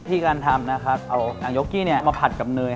การทำนะครับเอานางยกกี้มาผัดกับเนย